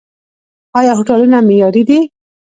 آیا هوټلونه معیاري دي؟